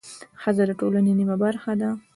ښځه د ټولنې نیمه برخه ده